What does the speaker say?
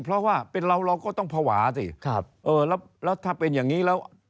เพราะว่าเป็นเราเราก็ต้องภาวะสิครับเออแล้วถ้าเป็นอย่างนี้แล้ว